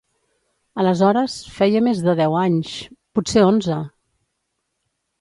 Aleshores, feia més de deu anys... potser onze!